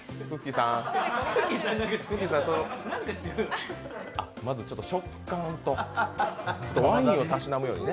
さん、まず食感とワインをたしなむようにね。